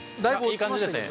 いい感じですね。